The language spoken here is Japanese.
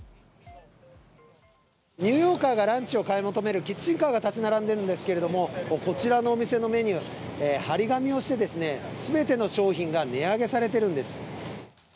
ニューヨーカーがランチを買い求めるキッチンカーが立ち並んでいるんですけれども、こちらのお店のメニュー、貼り紙をして、すべての商品が値上げされてるんです。